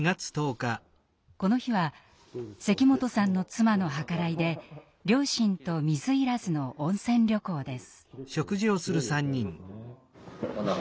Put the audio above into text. この日は関本さんの妻の計らいで両親と水入らずの温泉旅行です。